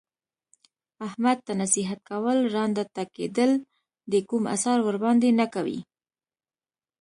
احمد ته نصیحت کول ړانده ته ګډېدل دي کوم اثر ورباندې نه کوي.